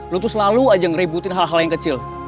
lo tuh selalu aja ngerebutin hal hal yang kecil